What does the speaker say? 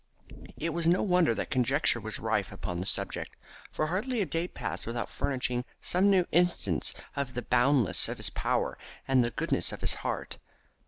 It was no wonder that conjecture was rife upon the subject, for hardly a day passed without furnishing some new instance of the boundlessness of his power and of the goodness of his heart.